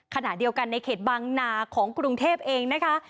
ขณะเดียวกันในเขตบางนาของกรุงเทพเองนะคะ